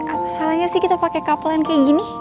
apa salahnya sih kita pake kapelan kayak gini